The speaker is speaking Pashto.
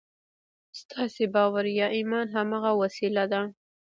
ستاسې باور يا ايمان هماغه وسيله ده.